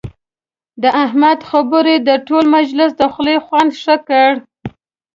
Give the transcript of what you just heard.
د احمد خبرو د ټول مجلس د خولې خوند ښه کړ.